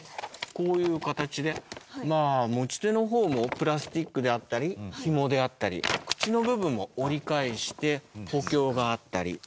こういう形でまあ持ち手の方もプラスチックであったり紐であったり口の部分を折り返して補強があったり。